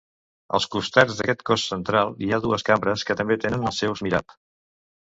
Als costats d'aquest cos central hi ha dues cambres que també tenen el seu mihrab.